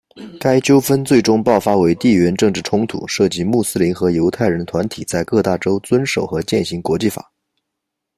该纠纷最终爆发为地缘政治冲突，涉及穆斯林和犹太人团体在各大洲遵守和饯行国际法。